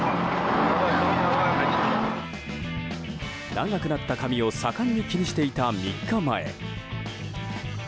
長くなった髪を盛んに気にしていた３日前。